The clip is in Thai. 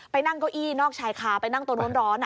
นั่งเก้าอี้นอกชายคาไปนั่งตัวร้อน